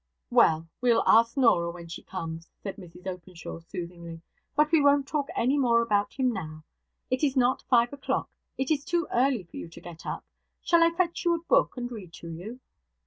'Well! we will ask Norah when she comes,' said Mrs Openshaw, soothingly. 'But we won't talk any more about him now. It is not five o'clock; it is too early for you to get up. Shall I fetch you a book and read to you?'